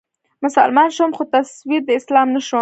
مسلمان شوم خو تصوير د اسلام نه شوم